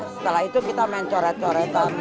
setelah itu kita main coret coretan